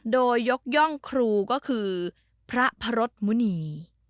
โดยยกย่องครูก็คือพระพระรสมุณี